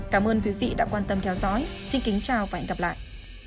cảm ơn quý vị đã quan tâm theo dõi xin kính chào và hẹn gặp lại